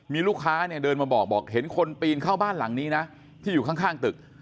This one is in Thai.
มีลูกค้าเนี่ยเดินมาบอกบอกเห็นคนปีนเข้าบ้านหลังนี้นะที่อยู่ข้างตึก